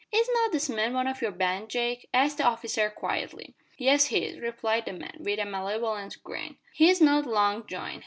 "Is not this man one of your band, Jake?" asked the officer quietly. "Yes, he is," replied the man with a malevolent grin. "He's not long joined.